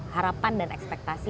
harapan dan ekspektasi